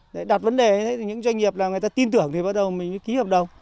đặt vấn đề những doanh nghiệp là người ta tin tưởng thì bắt đầu mình ký hợp đồng